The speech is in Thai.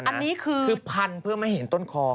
อันนี้คือพันเพื่อไม่เห็นต้นคอ